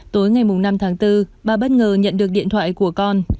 tối ngày năm tháng bốn bà bất ngờ nhận được điện thoại của con